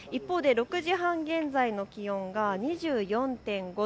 一方で６時半現在の気温が２４．５度。